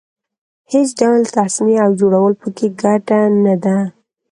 هېڅ ډول تصنع او جوړول په کې ګډه نه ده.